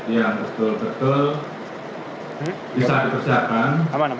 yang betul betul bisa dipersiapkan